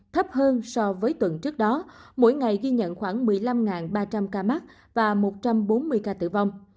thấp hơn so với tuần trước đó mỗi ngày ghi nhận khoảng một mươi năm ba trăm linh ca mắc và một trăm bốn mươi ca tử vong